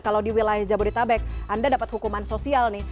kalau di wilayah jabodetabek anda dapat hukuman sosial nih